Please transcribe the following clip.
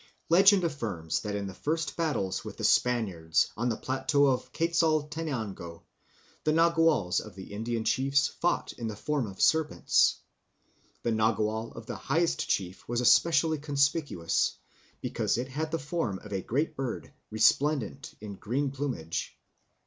Legend affirms that in the first battles with the Spaniards on the plateau of Quetzaltenango the naguals of the Indian chiefs fought in the form of serpents. The nagual of the highest chief was especially conspicuous, because it had the form of a great bird, resplendent in green plumage.